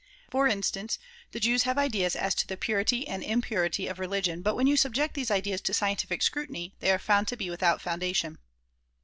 For instance, the Jews have ideas as to the purity and impurity of religion but when you subject these ideas to scientific scrutiny they are found to be without foundation.